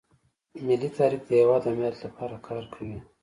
ملي تحریک د هیواد او ملت لپاره کار کوي